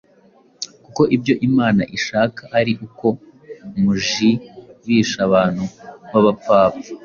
kuko ibyo imana ishaka ari uko mujibisha abantu b’abapfapfa,